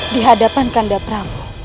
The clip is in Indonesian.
di hadapan kanda prabu